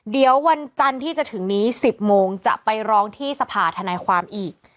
เดี๋ยววันจันทร์ที่จะถึงนี้๑๐โมงจะไปร้องที่สภาธนายความอีก